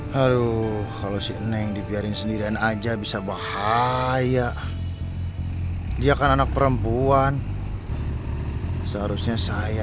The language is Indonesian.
halo kalau si neng dibiarin sendirian aja bisa bahaya dia kan anak perempuan seharusnya saya